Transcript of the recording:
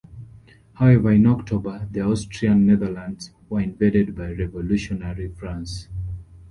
However, in October the Austrian Netherlands were invaded by Revolutionary France.